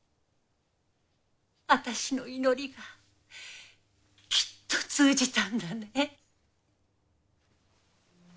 私の祈りがきっと通じたんだね。